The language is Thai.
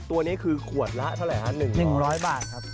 ตัวนี้คือขวดละเท่าไหร่ฮะ๑๑๐๐บาทครับ